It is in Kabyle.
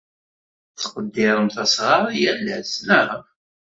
Tettqeddiremt asɣar yal ass, naɣ?